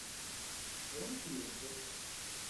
Al año siguiente.